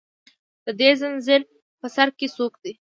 د دې زنځیر په سر کې څوک دي